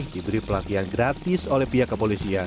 diberi pelatihan gratis oleh pihak kepolisian